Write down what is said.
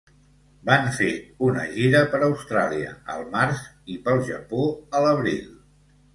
Van fer una gira per Austràlia al març i pel Japó a l'abril.